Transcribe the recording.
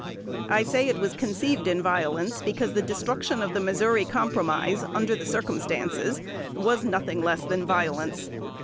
I say it was conceived in violence, because the destruction of the Missouri Compromise, under the circumstances, was nothing less than violence.